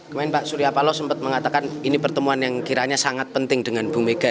kemarin pak surya paloh sempat mengatakan ini pertemuan yang kiranya sangat penting dengan bu mega